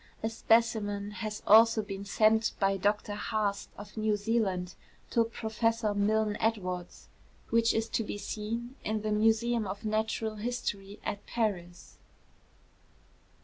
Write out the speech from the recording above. A specimen has also been sent by Dr Haast of New Zealand to Professor Milne Edwards, which is to be seen in the Museum of Natural History at Paris.